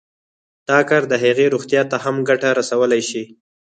دا کار د هغې روغتيا ته هم ګټه رسولی شي